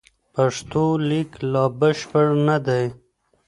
پښتو لیک لا بشپړ نه دی.